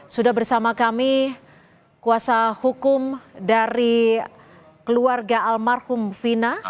sudah bersama kami kuasa hukum dari keluarga almarhum vina